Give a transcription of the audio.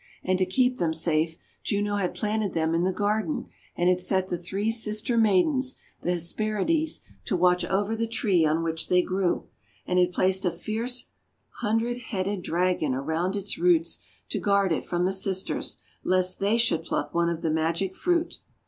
And to keep them safe, Juno had planted them in the garden and had set the three sister maidens, the Hes perides, to watch over the tree on which they grew, and had placed a fierce hundred headed Dragon around its roots to guard it from the sisters lest they should pluck one of the magic fruit.